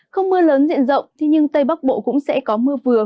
không mưa lớn diện rộng nhưng tây bắc bộ cũng sẽ có mưa vừa